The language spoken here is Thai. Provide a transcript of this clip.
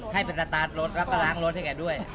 ให้เป็นสตาร์ทรถแล้วก็ล้างรถให้แกด้วย